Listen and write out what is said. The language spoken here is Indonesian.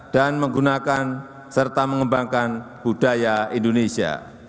dan menggunakan serta mengembangkan budaya indonesia